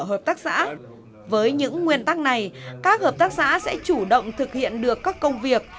hợp tác xã với những nguyên tắc này các hợp tác xã sẽ chủ động thực hiện được các công việc